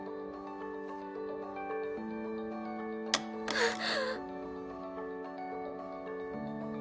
あっ。